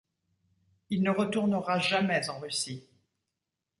Il ne retournera jamais en Russie.